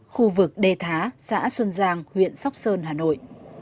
khu vực đề thá xã xuân giang huyện sóc sơn hà nội